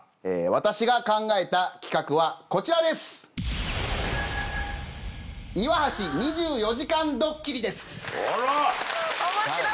私が考えた企画はこちらですあら！